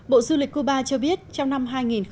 bộ du lịch cuba cho biết trong năm hai nghìn một mươi bảy